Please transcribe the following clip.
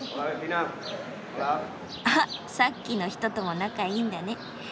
あっさっきの人とも仲いいんだね。